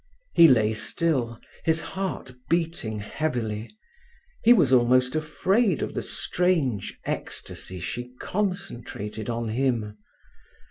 He lay still, his heart beating heavily; he was almost afraid of the strange ecstasy she concentrated on him.